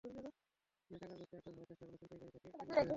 তিনি টাকার ব্যাগটি আঁকড়ে ধরার চেষ্টা করলে ছিনতাইকারীরা তাঁকে কিলঘুষিও দেয়।